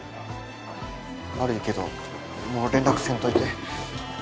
悪いけどもう連絡せんといて